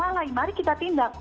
jika ada yang lalai mari kita tindak